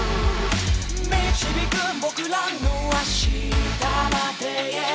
「導く僕らの明日まで」